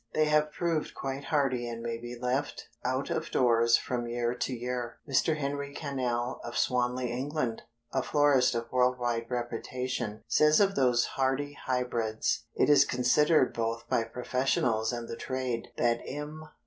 They have proved quite hardy and may be left out of doors from year to year." Mr. Henry Cannell of Swanley, England, a florist of world wide reputation, says of those hardy Hybrids: "It is considered both by professionals and the trade, that M.